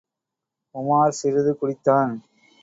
உமார் சிறிது குடித்தான்.